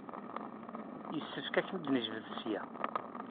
Yessefk ad kem-id-nejbed ssya.